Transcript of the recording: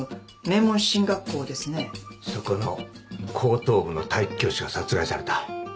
そこの高等部の体育教師が殺害された。